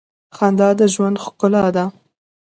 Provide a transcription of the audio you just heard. • خندا د ژوند ښکلا ده.